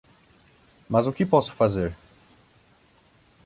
Mas o que posso fazer?